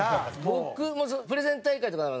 僕もプレゼン大会とかは。